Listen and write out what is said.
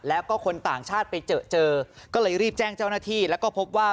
แล้วก็คนต่างชาติไปเจอเจอก็เลยรีบแจ้งเจ้าหน้าที่แล้วก็พบว่า